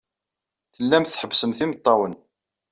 Tellamt tḥebbsemt imeṭṭawen.